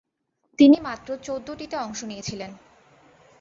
তিনি মাত্র চৌদ্দটিতে অংশ নিয়েছিলেন।